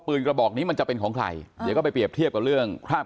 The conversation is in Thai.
กระบอกนี้มันจะเป็นของใครเดี๋ยวก็ไปเรียบเทียบกับเรื่องคราบ